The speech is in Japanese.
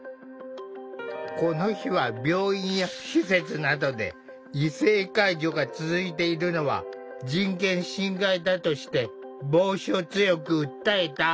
この日は病院や施設などで異性介助が続いているのは人権侵害だとして防止を強く訴えた。